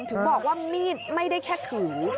คุณผู้ชมถึงบอกว่ามีดไม่ได้แค่ขือ